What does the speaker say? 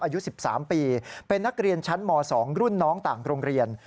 อายุ๑๓ปีเป็นนักเรียนชั้นม๒รุ่นน้องต่างโรงเรียน